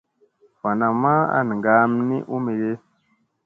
Va namma an ngaam ni u mige.